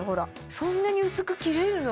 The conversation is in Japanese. そんなに薄く切れるの？